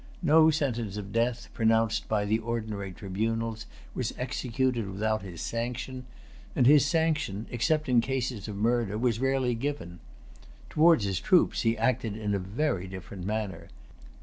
No sentence of death, pronounced by the ordinary tribunals, was executed without his sanction; and his sanction, except in cases of murder, was rarely given. Towards his troops he acted in a very different manner.